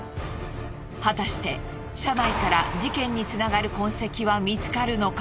果たして車内から事件につながる痕跡は見つかるのか？